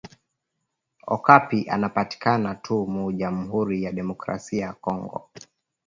Okapi anapatikana tu mu jamhuri ya democrasia ya kongo